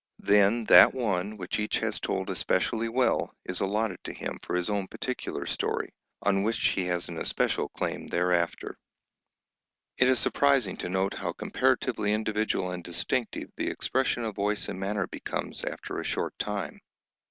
Then that one which each has told especially well is allotted to him for his own particular story, on which he has an especial claim thereafter. It is surprising to note how comparatively individual and distinctive the expression of voice and manner becomes, after a short time.